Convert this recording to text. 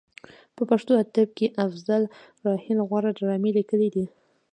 په پښتو ادب کې افضل راحل غوره ډرامې لیکلې دي.